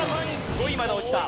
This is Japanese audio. ５位まで落ちた。